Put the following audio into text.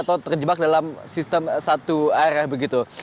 atau terjebak dalam sistem satu arah begitu